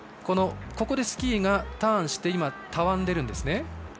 ここでスキーがターンしてたわんでるんですね。